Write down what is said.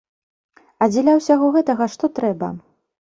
А дзеля ўсяго гэтага што трэба?